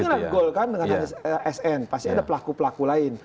nggak mungkin ada golkan dengan sn pasti ada pelaku pelaku lain